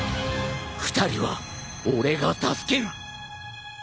２人は俺が助ける！